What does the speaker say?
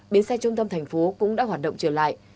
bến xe trung tâm thành phố cũng đã hoạt động trở lại